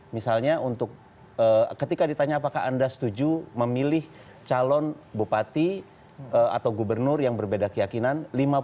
misalnya untuk ketika ditanya apakah anda setuju memilih calon bupati atau gubernur yang berbeda keyakinan